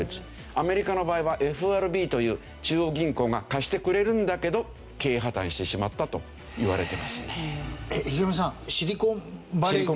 アメリカの場合はＦＲＢという中央銀行が貸してくれるんだけど経営破たんしてしまったといわれてますね。